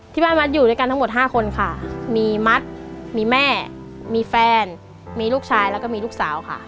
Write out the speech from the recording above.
บ้านมัดอยู่ด้วยกันทั้งหมด๕คนค่ะมีมัดมีแม่มีแฟนมีลูกชายแล้วก็มีลูกสาวค่ะ